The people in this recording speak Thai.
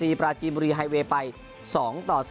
มีปราจิมุรีไฮเวย์ไป๒ต่อ๓